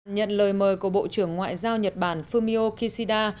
nhận lời mời của bộ trưởng ngoại giao nhật bản fumio kishida